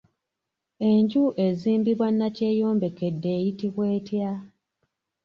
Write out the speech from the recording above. Enju ezimbibwa Nakyeyombekedde eyitibwa etya?